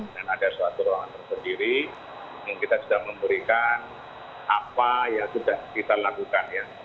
dan ada suatu ruangan tersendiri yang kita sudah memberikan apa yang sudah kita lakukan ya